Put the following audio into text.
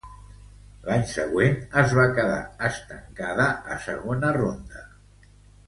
L'any següent es va quedar estancada a segona ronda.